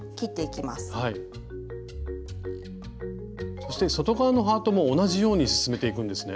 そして外側のハートも同じように進めていくんですね。